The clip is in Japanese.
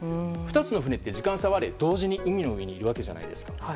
２つの船って時間差はあれ同時に海の上にいるわけじゃないですか。